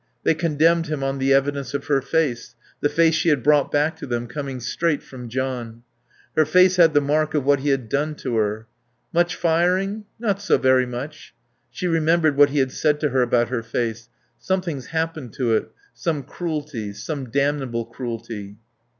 They condemned him on the evidence of her face, the face she had brought back to them, coming straight from John. Her face had the mark of what he had done to her.... "Much firing? Not so very much." ... She remembered what he had said to her about her face. "Something's happened to it. Some cruelty. Some damnable cruelty...."